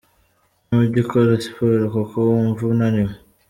Ntujya ukora siporo kuko wumva unaniwe.